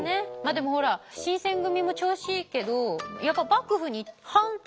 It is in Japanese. でもほら新選組も調子いいけどやっぱうんそのとおりだ。